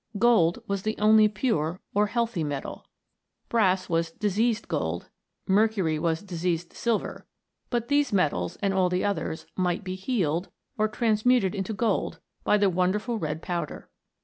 Gold was the only pure or healthy metal. Brass was diseased gold ; mercury was diseased silver; but these metals, and all the others, might be healed, or transmuted into gold, by the wonderful red powder.